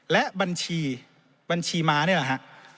และบัญชีบัญชีม้าเนี่ยแหละครับ